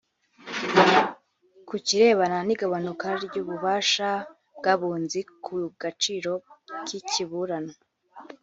Ku kirebana n’igabanuka ry’Ububasha bw’Abunzi ku gaciro k’ikiburanwa